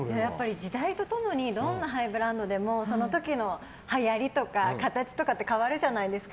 時代と共にどんなハイブランドでもその時のはやりとか形とかって変わるじゃないですか。